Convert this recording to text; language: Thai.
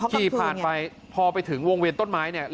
ขี่ผ่านไปพอไปถึงวงเวียนต้นไม้เนี่ย